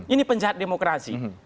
ini penjahat demokrasi